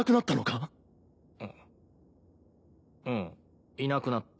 うんいなくなった。